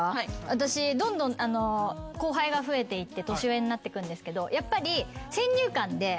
私どんどん後輩が増えていって年上になってくんですけどやっぱり。